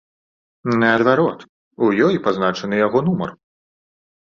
Наадварот, у ёй пазначаны яго нумар!